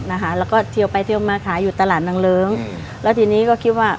นะคะแล้วก็เทียวไปเทียวมาขายอยู่ตลาดนางเลิ้งอืมแล้วทีนี้ก็คิดว่า